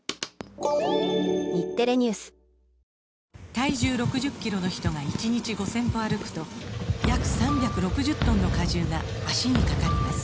体重６０キロの人が１日５０００歩歩くと約３６０トンの荷重が脚にかかります